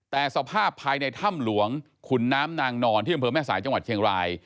แต่สภาพภายในถ้ำหลวงขุนน้ำนางนอนที่อำเภอแม่สายจังหวัดเชียงราย